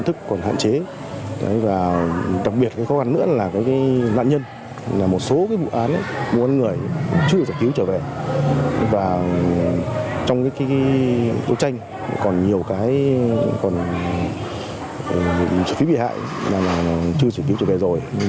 trong đấu tranh còn nhiều trợ phí bị hại chưa giải cứu trở về rồi